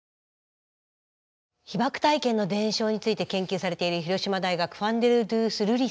被爆体験の伝承について研究されている広島大学ファンデルドゥース・瑠璃先生。